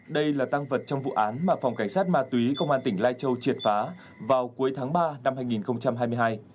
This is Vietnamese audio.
đây là tăng vật trong vụ án mà phòng cảnh sát ma túy công an tỉnh lai châu triệt phá vào cuối tháng ba năm hai nghìn hai mươi hai